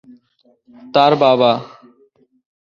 তার বাবা।